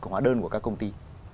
hóa đơn của các công ty